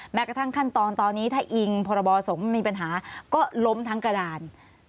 แม้กระทั่งขั้นตอนตอนนี้ถ้าอิงพรบสงฆ์มีปัญหาก็ล้มทั้งกระดาน